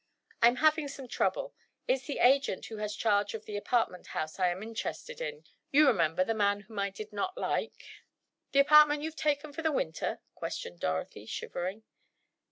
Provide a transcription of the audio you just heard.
I'm having some trouble. It's the agent who has charge of the apartment house I am interested in—you remember, the man whom I did not like." "The apartment you've taken for the Winter?" questioned Dorothy, shivering.